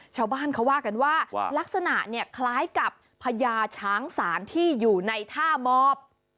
ชาวบ้านเขาว่ากันว่าลักษณะเนี่ยคล้ายกับพญาช้างศาลที่อยู่ในท่าหมอบ